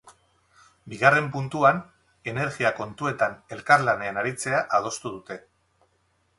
Bigarren puntuan, energia kontuetan elkarlanean aritzea adostu dute.